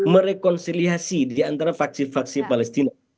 merekonsiliasi di antara faksi faksi palestina